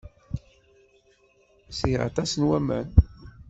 Sriɣ aṭas n waman.